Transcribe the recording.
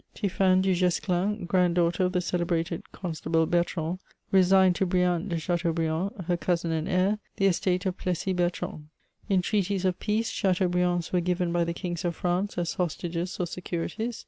Tiphaine du Guesdin, grand daughter of the celebrated Con stable Bertrand, resigned to Brien de Chateaubriand, her cousin and heir, the estate of Plessis Bertrand. In treaties of peace, Chateaubriands were given by the Kings of France as hostages or securities.